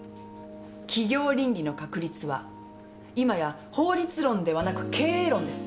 企業倫理の確立は今や法律論ではなく経営論です。